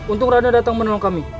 untung raden datang menolong kami